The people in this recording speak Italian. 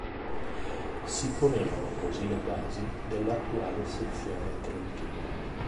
Si ponevano così le basi dell'attuale Sezione trentina.